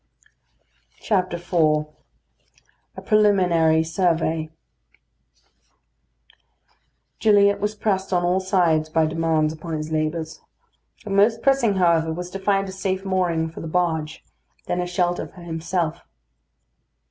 IV A PRELIMINARY SURVEY Gilliatt was pressed on all sides by demands upon his labours. The most pressing, however, was to find a safe mooring for the barge; then a shelter for himself.